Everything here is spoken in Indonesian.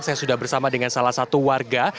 saya sudah bersama dengan salah satu warga